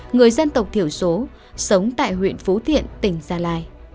người dân tộc thiểu số sống tại huyện phú thiện tỉnh gia lai